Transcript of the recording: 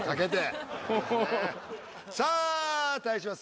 さあ対します